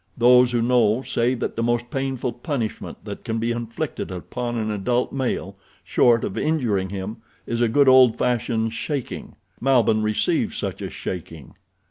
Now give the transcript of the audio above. Those who know say that the most painful punishment that can be inflicted upon an adult male, short of injuring him, is a good, old fashioned shaking. Malbihn received such a shaking.